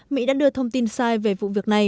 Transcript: mỹ đã đưa thông tin sai về vụ việc này